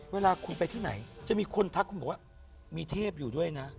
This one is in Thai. เวลาคุณไปที่ไหนจะมีคนทักคุณบอกว่ามีเทพอยู่ด้วยนะ